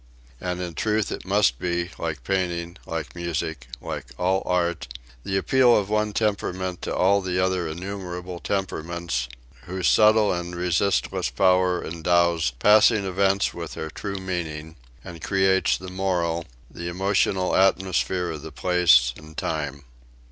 And in truth it must be, like painting, like music, like all art, the appeal of one temperament to all the other innumerable temperaments whose subtle and resistless power endows passing events with their true meaning, and creates the moral, the emotional atmosphere of the place and time.